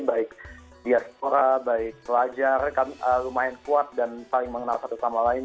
baik diaspora baik pelajar lumayan kuat dan saling mengenal satu sama lain